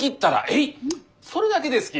それだけですき。